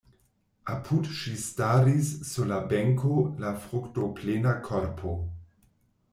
Apud ŝi staris sur la benko la fruktoplena korpo.